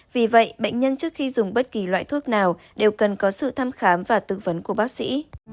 vì vậy bệnh nhân trước khi dùng bất kỳ loại thuốc nào đều cần có sự thăm khám và tư vấn của bác sĩ